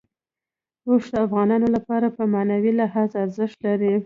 اوښ د افغانانو لپاره په معنوي لحاظ ارزښت لري.